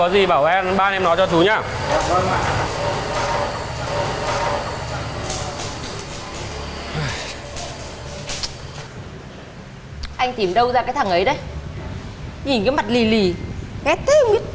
ghét thế không biết